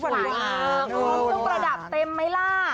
กรุงประดับเต็มไหมล่ะ